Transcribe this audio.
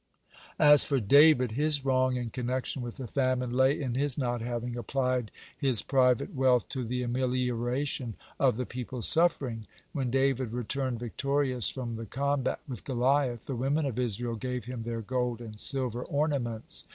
(117) As for David, his wrong in connection with the famine lay in his not having applied his private wealth to the amelioration of the people's suffering. When David returned victorious from the combat with Goliath, the women of Israel gave him their gold and silver ornaments.